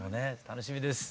楽しみです。